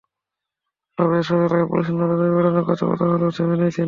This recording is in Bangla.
এসব এলাকায় পুলিশের নজরদারি বাড়ানোর কথা বলা হলেও থেমে নেই ছিনতাই।